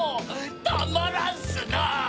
たまらんっスな！